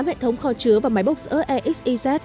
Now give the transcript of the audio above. tám hệ thống kho chứa và máy box ở exez